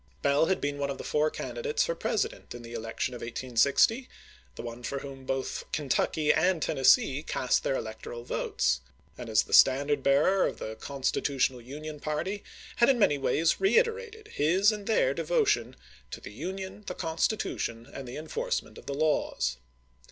Bell had been one of the four candidates for Presi dent in the election of 1860 — the one for whom both Kentucky and Tennessee cast their electoral votes ; and as the standard bearer of the " Consti tutional Union " party had in many ways reiterated his and their devotion to " the Union, the Consti tution, and the enforcement of the laws."